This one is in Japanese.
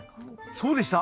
そうでした？